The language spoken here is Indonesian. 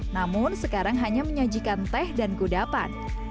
namun sekarang hanya menyajikan teh dan kudapan